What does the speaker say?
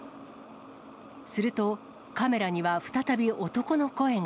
すると、カメラには再び男の声が。